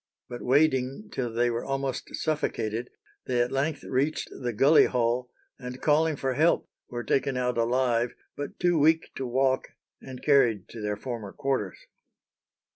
"But wading till they were almost suffocated, they at length reached the gully hole, and calling for help, were taken out alive, but too weak to walk, and carried to their former quarters."